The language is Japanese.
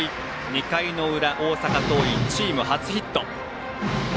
２回の裏大阪桐蔭チーム初ヒット。